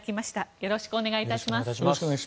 よろしくお願いします。